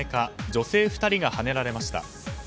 女性２人がはねられました。